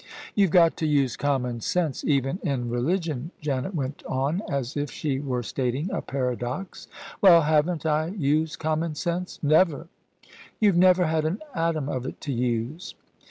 " You've got to use common sense even in religion," Janet went on, as if she were stating a paradox. "Well, haven't I used common sense?" "Never: you've never had an atom of it to use."